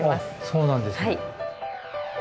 そうなんですね。